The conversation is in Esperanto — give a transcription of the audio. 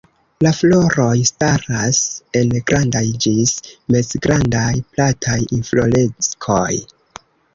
La floroj staras en grandaj ĝis mezgrandaj, plataj infloreskoj.